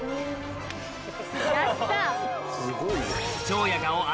やった！